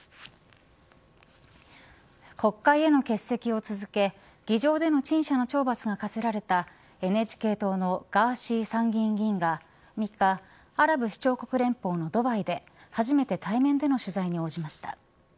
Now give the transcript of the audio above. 国会への欠席を続けた議場での陳謝の懲罰が科せられたＮＨＫ党のガーシー参議院議員が３日、アラブ首長国連邦のドバイで初めて対面での取材に応じました。